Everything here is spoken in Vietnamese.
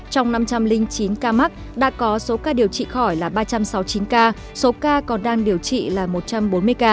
trong năm trăm linh chín ca mắc đã có số ca điều trị khỏi là ba trăm sáu mươi chín ca số ca còn đang điều trị là một trăm bốn mươi ca